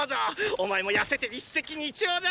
お前も痩せて一石二鳥だな！